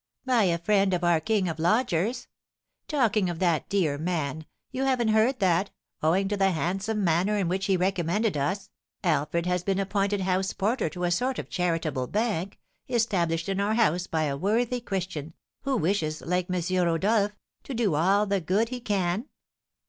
"By a friend of our 'king of lodgers.' Talking of that dear man, you haven't heard that, owing to the handsome manner in which he recommended us, Alfred has been appointed house porter to a sort of charitable bank, established in our house by a worthy Christian, who wishes, like M. Rodolph, to do all the good he can?"